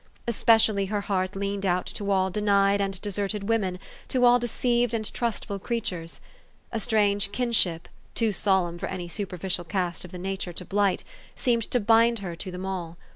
Especially her heart leaned out to all denied and deserted women, to all deceived and trustful creatures. A strange kinship, too solemn for any superficial caste of the nature to blight, seemed to bind her to them all.